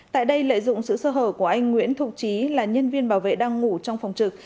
tại đây lợi dụng sự sơ hở của anh nguyễn thụ trí là nhân viên bảo vệ đang ngủ trong phòng trực